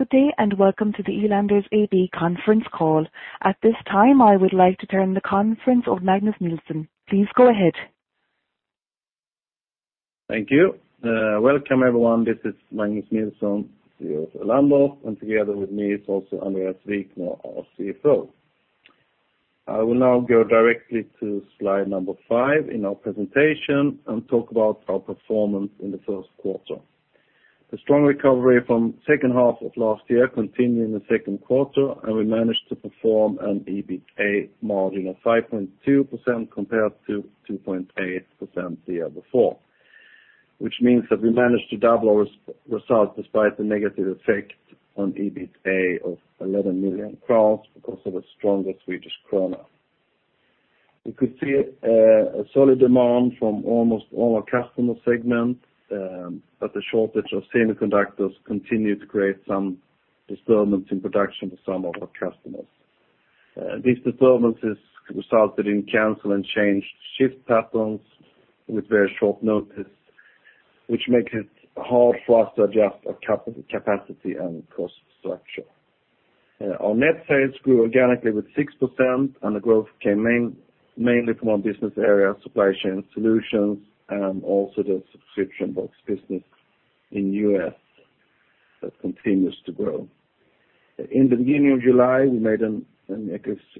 Good day, and welcome to the Elanders AB conference call. At this time, I would like to turn the conference to Magnus Nilsson. Please go ahead. Thank you. Welcome, everyone. This is Magnus Nilsson, CEO of Elanders, and together with me is also Andréas Wikner, our CFO. I will now go directly to slide number five in our presentation and talk about our performance in the first quarter. The strong recovery from the second half of last year continued in the second quarter, and we managed to perform an EBITDA margin of 5.2% compared to 2.8% the year before. Which means that we managed to double our results despite the negative effect on EBITDA of 11 million crowns because of the stronger Swedish krona. We could see a solid demand from almost all our customer segments, but the shortage of semiconductors continued to create some disturbance in production for some of our customers. These disturbances resulted in cancel and change shift patterns with very short notice, which makes it hard for us to adjust our capacity and cost structure. The growth came mainly from our business area, Supply Chain Solutions, and also the subscription box business in U.S. that continues to grow. In the beginning of July, we made an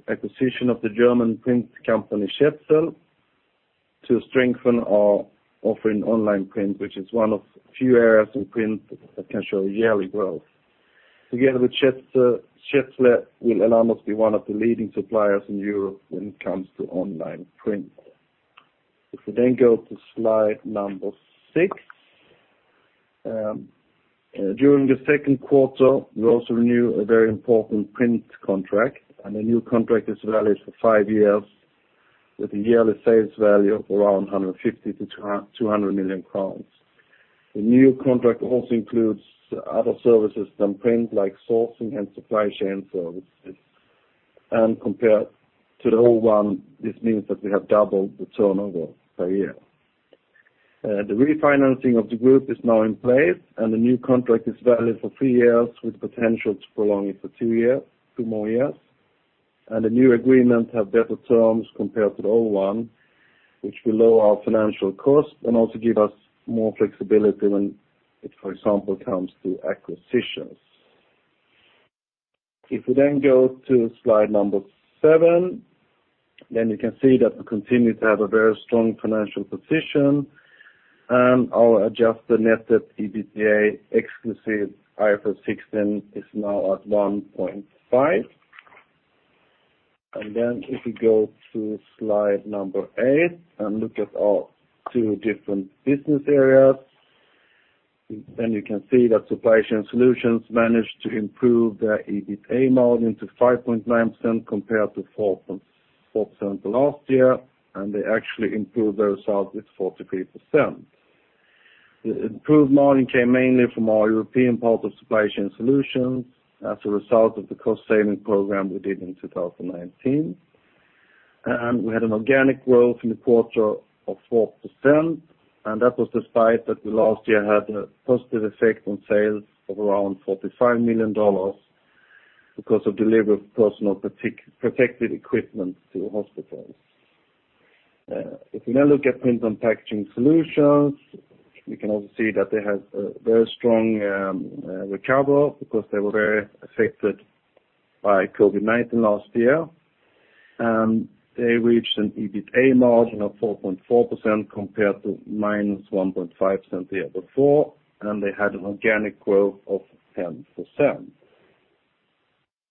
acquisition of the German print company, Schätzl, to strengthen our offering online print, which is one of few areas in print that can show yearly growth. Together with Schätzl, will allow us to be one of the leading suppliers in Europe when it comes to online print. If we then go to slide number six. During the second quarter, we also renewed a very important print contract. The new contract is valid for five years with a yearly sales value of around 150 million-200 million crowns. The new contract also includes other services than print, like sourcing and supply chain services. Compared to the old one, this means that we have doubled the turnover per year. The refinancing of the group is now in place. The new contract is valid for three years with potential to prolong it for two more years. The new agreement have better terms compared to the old one, which will lower our financial cost and also give us more flexibility when it, for example, comes to acquisitions. If we then go to slide seven, then you can see that we continue to have a very strong financial position, and our adjusted net debt EBITDA exclusive IFRS 16 is now at 1.5. If we go to slide number eight and look at our two different business areas, then you can see that Supply Chain Solutions managed to improve their EBITDA margin to 5.9% compared to 4% the last year, and they actually improved their results with 43%. The improved margin came mainly from our European part of Supply Chain Solutions as a result of the cost-saving program we did in 2019. We had an organic growth in the quarter of 4%, and that was despite that the last year had a positive effect on sales of around $45 million because of delivery of personal protective equipment to hospitals. If we now look at Print & Packaging Solutions, we can also see that they had a very strong recovery because they were very affected by COVID-19 last year. They reached an EBITDA margin of 4.4% compared to -1.5% the year before, and they had an organic growth of 10%.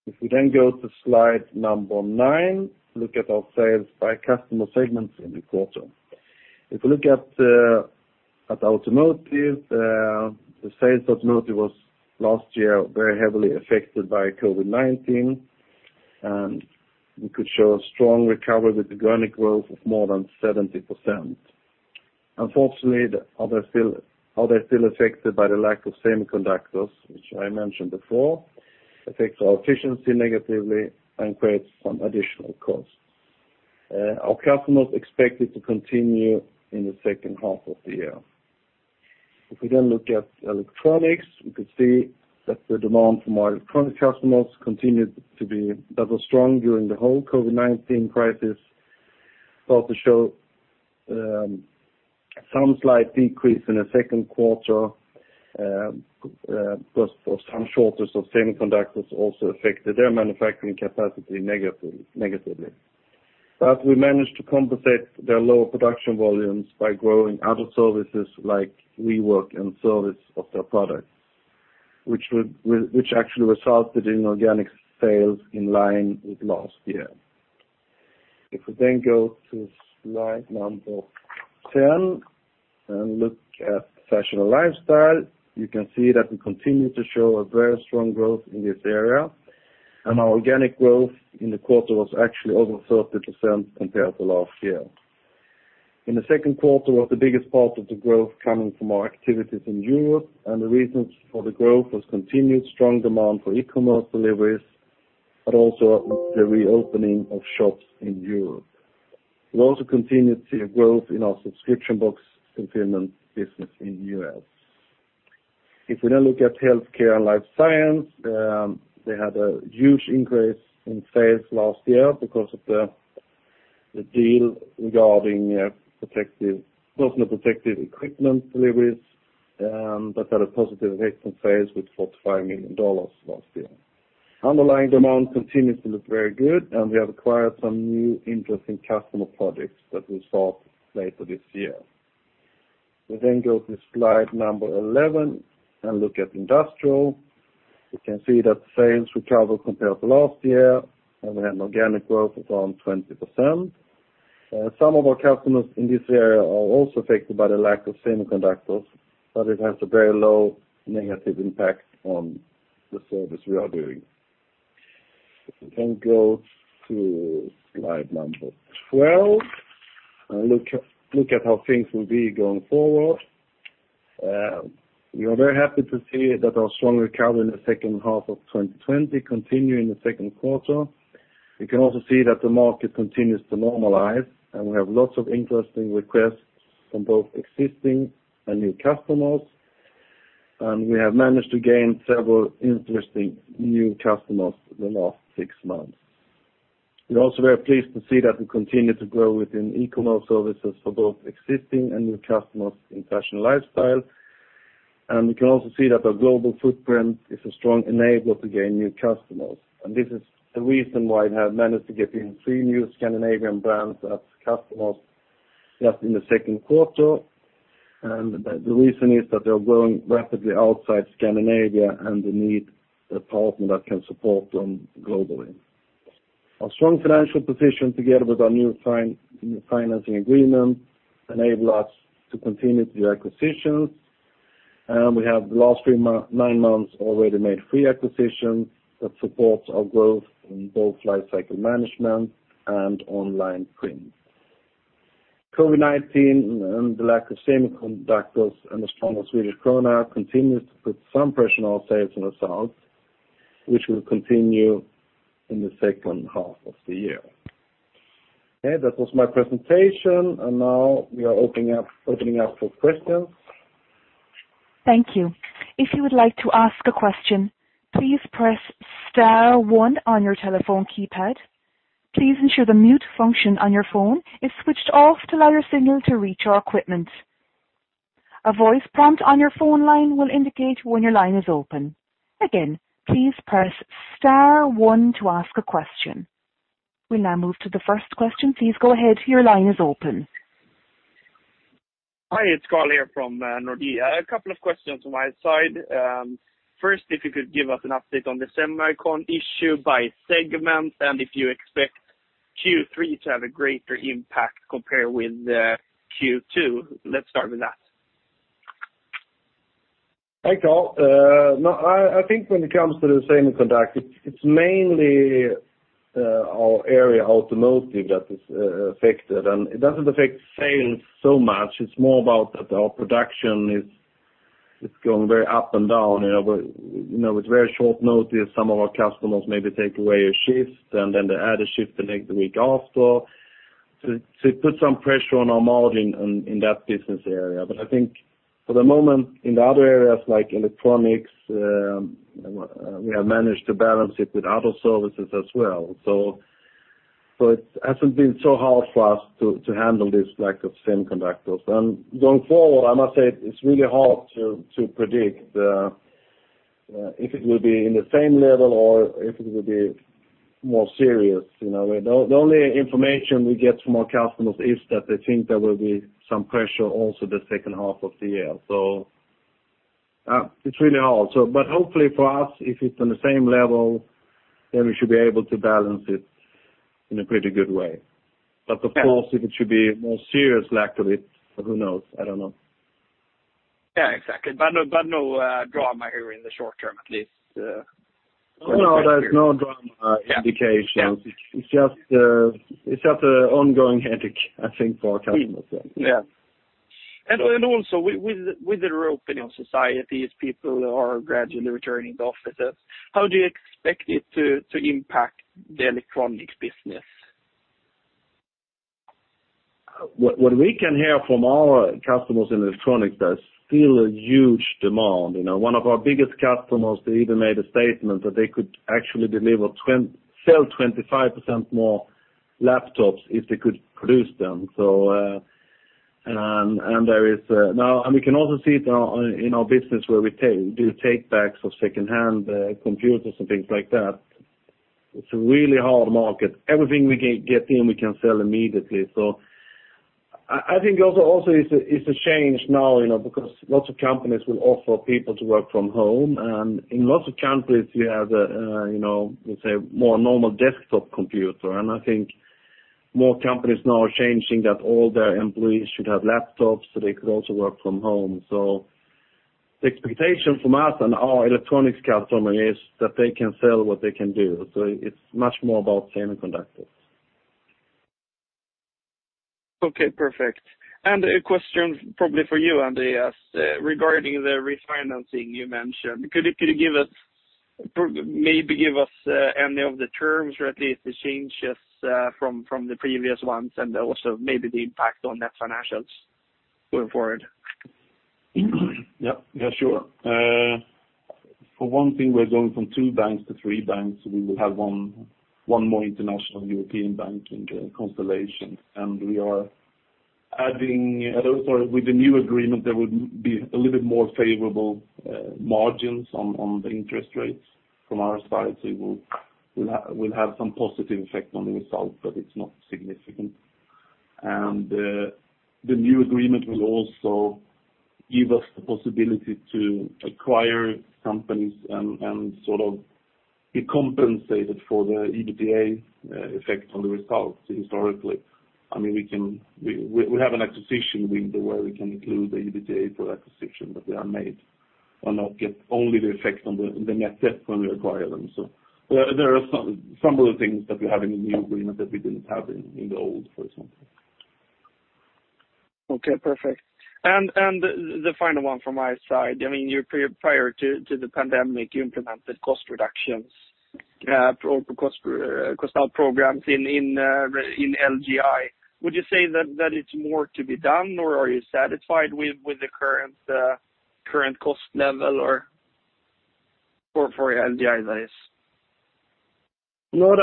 If we go to slide number nine, look at our sales by customer segments in the quarter. If you look at automotive, the sales of automotive last year were very heavily affected by COVID-19, and we could show a strong recovery with organic growth of more than 70%. Unfortunately, are they still affected by the lack of semiconductors, which I mentioned before, affects our efficiency negatively and creates some additional costs. Our customers expect it to continue in the second half of the year. If we look at electronics, we could see that the demand from our electronic customers continued to be rather strong during the whole COVID-19 crisis. It also showed some slight decrease in the second quarter because for some, shortage of semiconductors also affected their manufacturing capacity negatively. We managed to compensate their lower production volumes by growing other services like rework and service of their products, which actually resulted in organic sales in line with last year. If we go to slide number 10 and look at fashion and lifestyle, you can see that we continue to show a very strong growth in this area, and our organic growth in the quarter was actually over 30% compared to last year. In the 2nd quarter was the biggest part of the growth coming from our activities in Europe. The reasons for the growth was continued strong demand for e-commerce deliveries, but also the reopening of shops in Europe. We also continue to see a growth in our subscription box fulfillment business in the U.S. If we look at healthcare and life science, they had a huge increase in sales last year because of the deal regarding personal protective equipment deliveries that had a positive effect on sales with $45 million last year. Underlying demand continues to look very good. We acquired some new interesting customer projects that will start later this year. We go to slide number 11 and look at industrial. We can see that sales recovered compared to last year. We had organic growth of around 20%. Some of our customers in this area are also affected by the lack of semiconductors, but it has a very low negative impact on the service we are doing. If we go to slide number 12 and look at how things will be going forward. We are very happy to see that our strong recovery in the second half of 2020 continued in the second quarter. We can also see that the market continues to normalize, and we have lots of interesting requests from both existing and new customers. We have managed to gain several interesting new customers in the last six months. We are also very pleased to see that we continue to grow within e-commerce services for both existing and new customers in fashion and lifestyle. We can also see that our global footprint is a strong enabler to gain new customers. This is the reason why we have managed to get in three new Scandinavian brands as customers just in the second quarter. The reason is that they're growing rapidly outside Scandinavia, and they need a partner that can support them globally. Our strong financial position, together with our new financing agreement, enable us to continue the acquisitions. We have, the last nine months, already made three acquisitions that support our growth in both lifecycle management and online print. COVID-19 and the lack of semiconductors and a strong Swedish krona continues to put some pressure on our sales and results, which will continue in the second half of the year. Okay. That was my presentation, and now we are opening up for questions. Thank you. If you would like to ask a question, please press star one on your telephone keypad. Please ensure the mute function on your phone is switched off to allow your signal to reach our equipment. A voice prompt on your phone line will indicate when your line is open. Again, please press star one to ask a question. We now move to the first question. Please go ahead. Your line is open. Hi, it's Carl here from Nordea. A couple of questions on my side. First, if you could give us an update on the semiconductor issue by segment, and if you expect Q3 to have a greater impact compared with Q2. Let's start with that. Hi, Carl. I think when it comes to the semiconductor, it's mainly our area automotive that is affected, and it doesn't affect sales so much. It's more about that our production is going very up and down, with very short notice. Some of our customers maybe take away a shift, and then they add a shift the next week after. It puts some pressure on our margin in that business area. I think for the moment, in other areas like electronics, we have managed to balance it with other services as well. It hasn't been so hard for us to handle this lack of semiconductors. Going forward, I must say it's really hard to predict if it will be in the same level or if it will be more serious. The only information we get from our customers is that they think there will be some pressure also the second half of the year. It's really hard. Hopefully for us, if it's on the same level, we should be able to balance it in a pretty good way. Of course, if it should be a more serious lack of it, who knows? I don't know. Yeah, exactly. No drama here in the short term, at least. No, there's no drama indication. Yeah. It's just an ongoing headache, I think, for our customers then. Yeah. Also, with the reopening of societies, people are gradually returning to offices. How do you expect it to impact the electronic business? What we can hear from our customers in electronics, there's still a huge demand. One of our biggest customers, they even made a statement that they could actually sell 25% more laptops if they could produce them. We can also see it in our business where we do take-backs of secondhand computers and things like that. It's a really hard market. Everything we get in, we can sell immediately. I think also it's a change now, because lots of companies will offer people to work from home, and in lots of companies, you have a more normal desktop computer, and I think more companies now are changing that all their employees should have laptops, so they could also work from home. The expectation from us and our electronics customer is that they can sell what they can do. It's much more about semiconductors. Okay, perfect. A question probably for you, Andréas, regarding the refinancing you mentioned. Could you give us any of the terms, or at least the changes from the previous ones and also maybe the impact on net financials going forward? Yes, sure. For one thing, we're going from two banks to three banks. We will have one more international European bank in the constellation. With the new agreement, there would be a little bit more favorable margins on the interest rates from our side. It will have some positive effect on the results, but it's not significant. The new agreement will also give us the possibility to acquire companies and be compensated for the EBITDA effect on the results historically. We have an acquisition window where we can include the EBITDA for acquisition that they are made, and not get only the effect on the net debt when we acquire them. There are some of the things that we have in the new agreement that we didn't have in the old, for example. Okay, perfect. The final one from my side. Prior to the pandemic, you implemented cost reductions or cost out programs in LGI. Would you say that it's more to be done or are you satisfied with the current cost level for LGI, that is? No,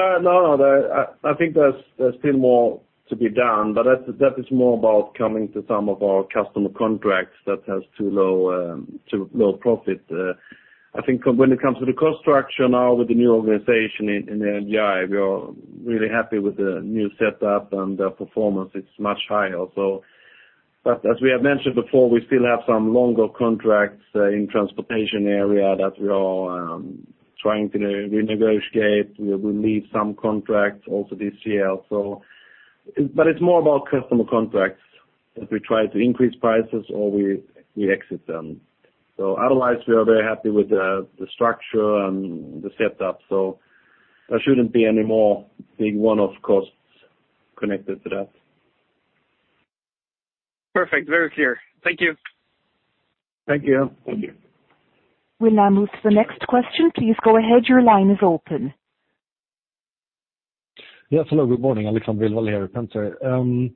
I think there's still more to be done, but that is more about coming to some of our customer contracts that has too low profit. I think when it comes to the cost structure now with the new organization in LGI, we are really happy with the new setup and the performance is much higher. As we have mentioned before, we still have some longer contracts in transportation area that we are trying to renegotiate. We will leave some contracts also this year. It's more about customer contracts, that we try to increase prices or we exit them. Otherwise, we are very happy with the structure and the setup. There shouldn't be any more big one-off costs connected to that. Perfect. Very clear. Thank you. Thank you. We'll now move to the next question. Please go ahead. Your line is open. Yes, hello. Good morning. Alexander Wahl here at Stifel.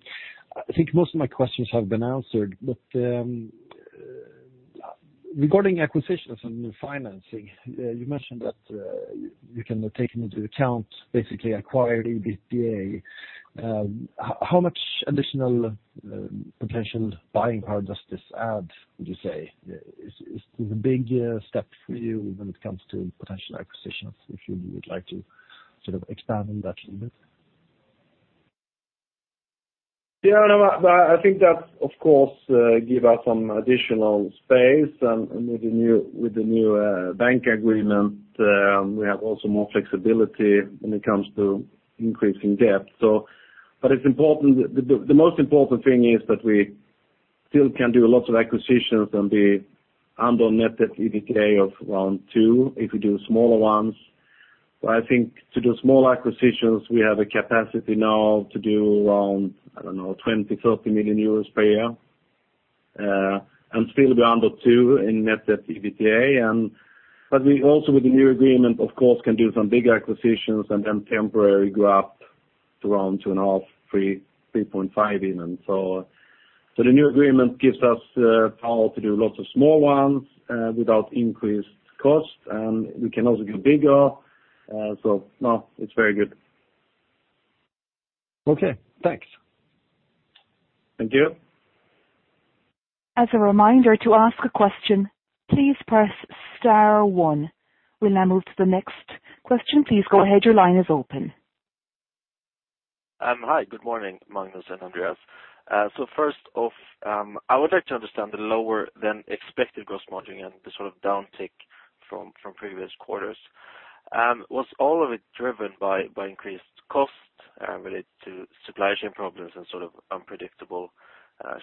I think most of my questions have been answered. Regarding acquisitions and new financing, you mentioned that you can now take into account basically acquiring EBITDA. How much additional potential buying power does this add, would you say? Is this a big step for you when it comes to potential acquisitions, if you would like to expand on that a little bit? Yeah, no. I think that of course give us some additional space and with the new bank agreement, we have also more flexibility when it comes to increasing debt. The most important thing is that we still can do lots of acquisitions and be under net debt EBITDA of around two if we do smaller ones. I think to do small acquisitions, we have a capacity now to do around, I don't know, 20 million-30 million euros per year, and still be under two in net debt EBITDA. We also with the new agreement, of course can do some big acquisitions and then temporarily go up to around two and a half, three, 3.5 even. The new agreement gives us power to do lots of small ones without increased cost, and we can also go bigger. No, it's very good. Okay, thanks. Thank you. As a reminder, to ask a question, please press star one. We'll now move to the next question. Please go ahead. Your line is open. Hi, good morning, Magnus and Andréas. First off, I would like to understand the lower than expected gross margin and the sort of downtick from previous quarters. Was all of it driven by increased cost related to supply chain problems and unpredictable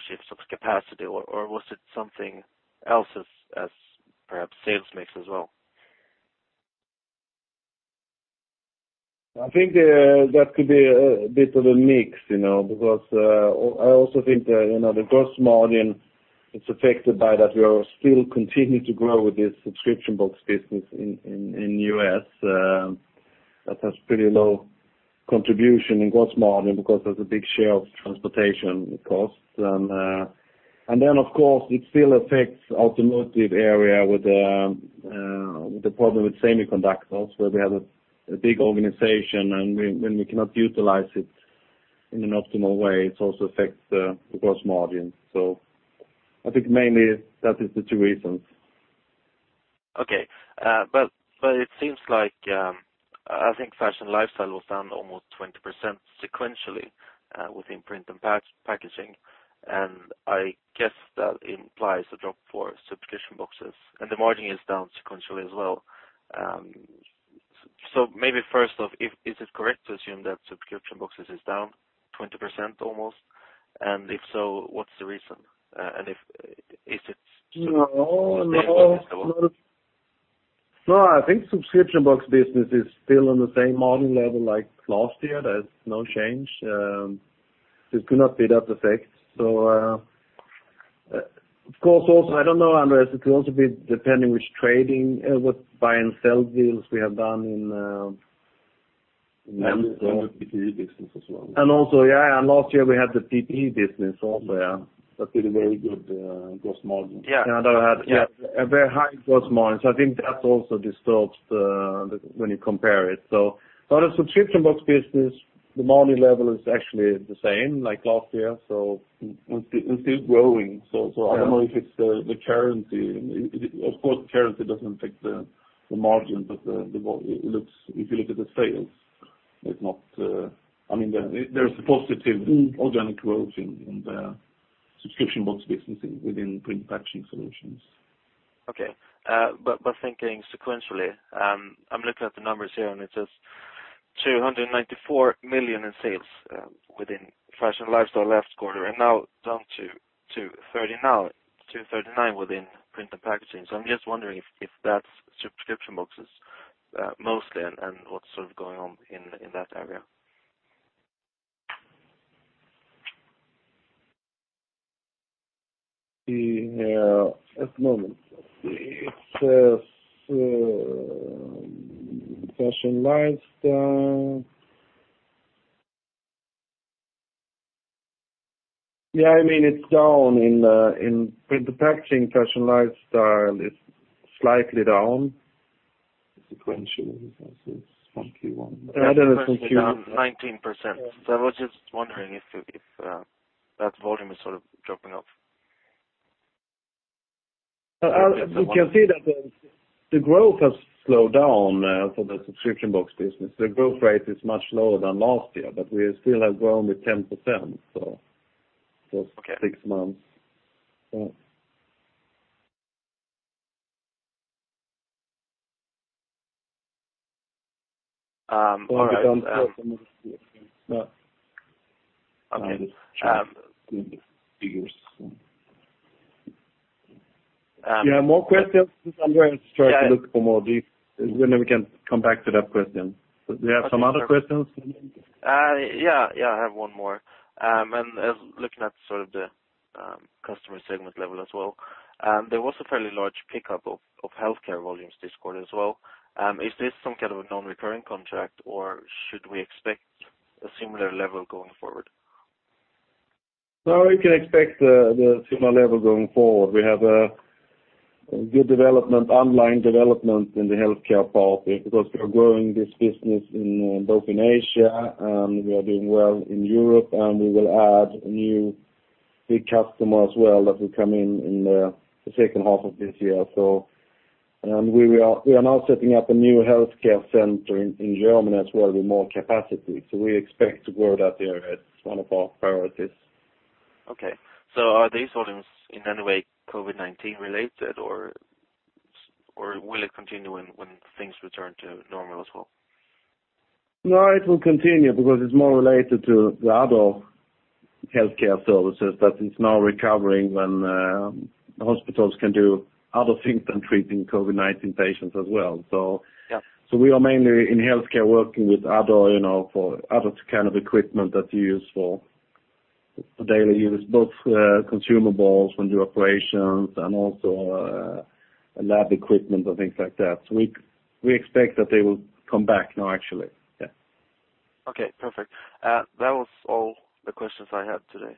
shifts of capacity? Was it something else as perhaps sales mix as well? I think that could be a bit of a mix, because I also think the gross margin is affected by that we are still continuing to grow with this subscription box business in U.S., that has pretty low contribution in gross margin because there's a big share of transportation costs. Of course it still affects automotive area with the problem with semiconductors where we have a big organization and when we cannot utilize it in an optimal way, it also affects the gross margin. I think mainly that is the two reasons. It seems like, I think fashion and lifestyle was down almost 20% sequentially within Print and Packaging, and I guess that implies a drop for subscription boxes, and the margin is down sequentially as well. Maybe first off, is it correct to assume that subscription boxes is down 20% almost? If so, what's the reason? No. I think subscription box business is still on the same margin level like last year. There's no change. This could not be that effect. Of course, also, I don't know, Andréas, it will also be depending which trading, what buy and sell deals we have done in. The PPE business as well. Also, yeah, and last year we had the PPE business also. That's a very good gross margin. Yeah. Yeah. A very high gross margin. I think that also disturbs when you compare it. On a subscription box business, the margin level is actually the same like last year, so it's still growing. I don't know if it's the currency. Of course, currency doesn't affect the margin, but if you look at the sales, there's a positive organic growth in the subscription box business within Print & Packaging Solutions. Okay. Thinking sequentially, I'm looking at the numbers here, it says 294 million in sales within fashion lifestyle last quarter, now down to 239 million within Print and Packaging. I'm just wondering if that's subscription boxes mostly, what's sort of going on in that area. At the moment. Let's see. Fashion lifestyle. Yeah, it's down. In Print and Packaging, fashion lifestyle is slightly down. Sequentially, from Q1. I don't know from. 19%. I was just wondering if that volume is sort of dropping off? You can see that the growth has slowed down for the subscription box business. The growth rate is much lower than last year, we still have grown with 10%. Okay Six months. All right. Do you have more questions? Since I'm going to try to look for more details, then we can come back to that question. Do you have some other questions? Yeah, I have one more. Looking at sort of the customer segment level as well, there was a fairly large pickup of healthcare volumes this quarter as well. Is this some kind of a non-recurring contract, or should we expect a similar level going forward? No, you can expect the similar level going forward. We have a good development, online development in the healthcare part because we are growing this business both in Asia, and we are doing well in Europe, and we will add a new big customer as well that will come in in the second half of this year. We are now setting up a new healthcare center in Germany as well with more capacity. We expect to grow that area. It's one of our priorities. Okay. Are these volumes in any way COVID-19 related, or will it continue when things return to normal as well? No, it will continue because it is more related to the other healthcare services, but it is now recovering when the hospitals can do other things than treating COVID-19 patients as well. Yeah. We are mainly in healthcare working with other kind of equipment that you use for daily use, both consumables when do operations and also lab equipment and things like that. We expect that they will come back now, actually. Yeah. Okay, perfect. That was all the questions I had today.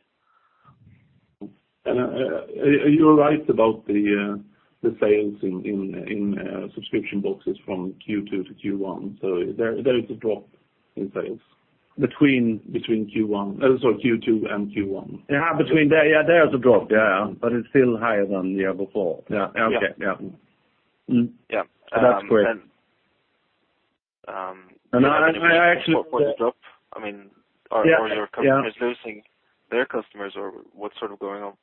You're right about the sales in subscription boxes from Q2 to Q1. There is a drop in sales. Between? Between Q1 also Q2 and Q1. Yeah, between there. Yeah, there is a drop. Yeah. It's still higher than the year before. Yeah. Okay. Yeah. Yeah. That's correct. Do you have any idea for the drop? Are your customers losing their customers, or what's sort of going on?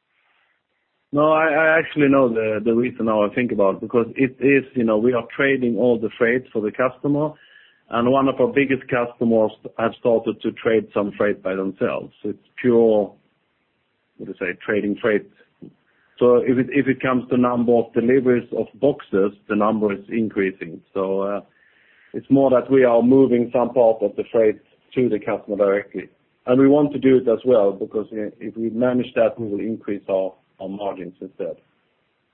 No, I actually know the reason now I think about, because we are trading all the freight for the customer, and 1 of our biggest customers have started to trade some freight by themselves. It's pure, how to say, trading freight. If it comes to number of deliveries of boxes, the number is increasing. It's more that we are moving some part of the freight to the customer directly. We want to do it as well, because if we manage that, we will increase our margins instead.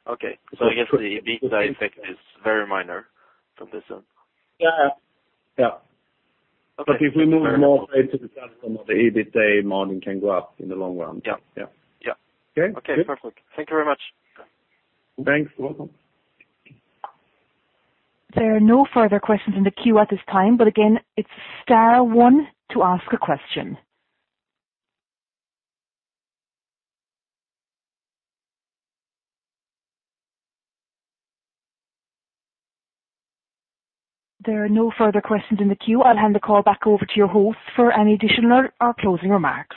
Okay. I guess the EBITDA effect is very minor from this. Yeah. If we move more freight to the customer, the EBITDA margin can go up in the long run. Yeah. Yeah. Yeah. Okay, good. Okay, perfect. Thank you very much. Thanks. Welcome. There are no further questions in the queue at this time, again, it's star one to ask a question. There are no further questions in the queue. I'll hand the call back over to your host for any additional or closing remarks.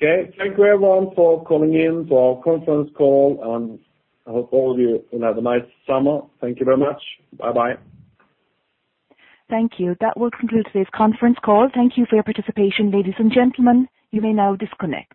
Okay. Thank you, everyone, for coming in for our conference call. I hope all of you will have a nice summer. Thank you very much. Bye-bye. Thank you. That will conclude today's conference call. Thank you for your participation, ladies and gentlemen. You may now disconnect.